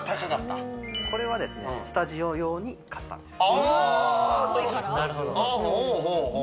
これはスタジオ用に買ったんです。